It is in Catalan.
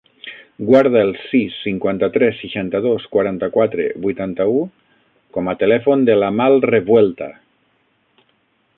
Guarda el sis, cinquanta-tres, seixanta-dos, quaranta-quatre, vuitanta-u com a telèfon de l'Amal Revuelta.